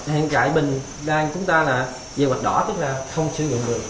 hiện tại bình đang chúng ta là về vạch đỏ tức là không sử dụng được